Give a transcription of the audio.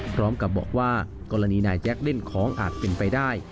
พร้อมกับบอกว่ากรณีนายแจ๊คเล่นของอาจเป็นไปได้